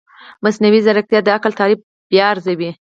مصنوعي ځیرکتیا د عقل تعریف بیا ارزوي.